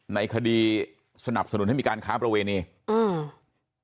ในคดีสนับสนุนให้มีการค้าประเวณีอืม